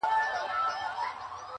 لا یې خوله وي د غلیم په کوتک ماته!٫.